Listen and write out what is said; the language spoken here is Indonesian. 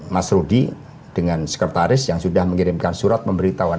mas rudy dengan sekretaris yang sudah mengirimkan surat pemberitahuan